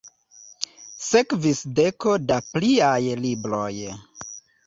Sekvis deko da pliaj libroj.